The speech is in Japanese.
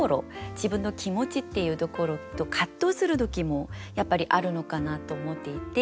自分の気持ちっていうところと葛藤する時もやっぱりあるのかなと思っていて。